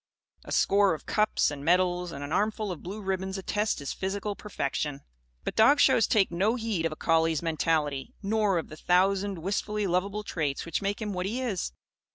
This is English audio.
A score of cups and medals and an armful of blue ribbons attest his physical perfection. But dog shows take no heed of a collie's mentality, nor of the thousand wistfully lovable traits which make him what he is.